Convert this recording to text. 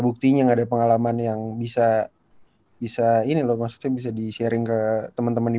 buktinya ada pengalaman yang bisa bisa ini loh maksudnya bisa di sharing ke teman teman di